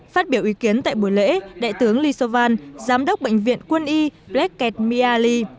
phát biểu ý kiến tại buổi lễ đại tướng lee sovan giám đốc bệnh viện quân y bredkett mealea